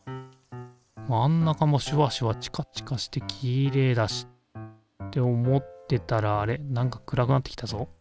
真ん中もシュワシュワチカチカしてきれいだし。って思ってたらあれなんか暗くなってきたぞ？